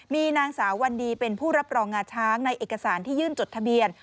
มีนางสาววันดีเป็นผู้รับรองงาช้างในเอกสารที่ยื่นจดทะเบียน